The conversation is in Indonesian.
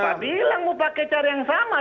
kalau bilang mau pakai cara yang sama